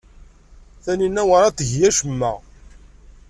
Taninna werɛad tgi acemma.